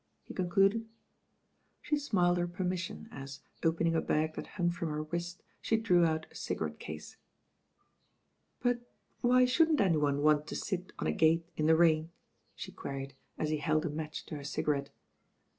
he concluded. She smiled her permission as, opening a bag that hung from her wrist, she drew out a cigarette<ase. "But why shouldn't any one want to sit on a gate in the rain ?" shequeried as he held a match to her ciga rette.